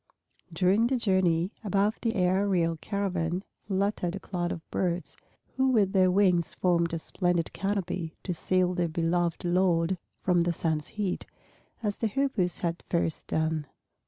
During the journey, above the aerial caravan fluttered a cloud of birds, who with their wings formed a splendid canopy to shield their beloved lord from the sun's heat, as the Hoopoes had first done.